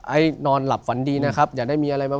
ไอ้นอนหลับฝันดีนะครับอย่าได้มีอะไรมา